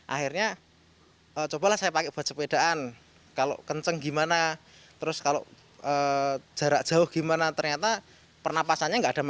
akhirnya cobalah saya pakai buat sepedaan kalau kenceng gimana terus kalau jarak jauh gimana ternyata pernapasannya nggak ada masalah